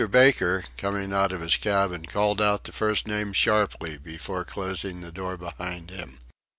Baker, coming out of his cabin, called out the first name sharply before closing the door behind him.